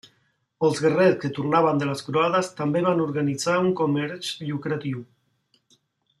Els guerrers que tornaven de les croades, també van organitzar un comerç lucratiu.